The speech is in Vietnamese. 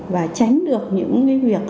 và tránh được những cái việc